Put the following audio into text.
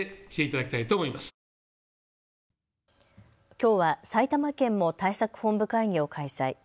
きょうは埼玉県も対策本部会議を開催。